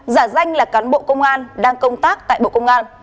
giả danh là cán bộ công an đang công tác tại bộ công an